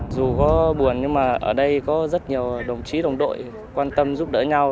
dù có buồn nhưng mà ở đây có rất nhiều đồng chí đồng đội quan tâm giúp đỡ nhau